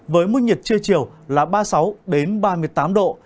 với mức nhiệt trưa chiều là ba mươi sáu ba mươi tám độ